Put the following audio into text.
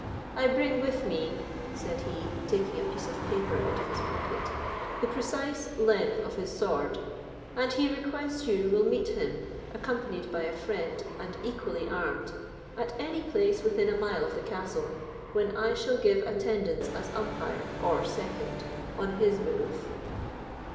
I bring with me," said he, taking a piece of paper out of his pocket, "the precise length of his sword; and he requests you will meet him, accompanied by a friend, and equally armed, at any place within a mile of the castle, when I shall give attendance as umpire, or second, on his behoof."